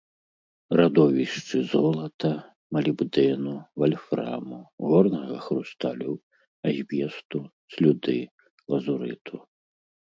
Радовішчы золата, малібдэну, вальфраму, горнага хрусталю, азбесту, слюды, лазурыту.